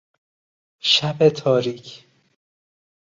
شب تاریک